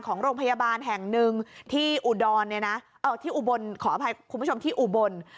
ของโรงพยาบาลแห่งหนึ่งที่อุบลขออภัยคุณผู้ชมที่อุบล